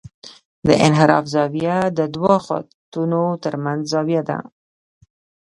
د انحراف زاویه د دوه خطونو ترمنځ زاویه ده